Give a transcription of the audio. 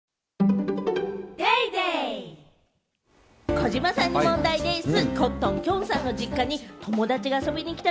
児嶋さんに問題でぃす。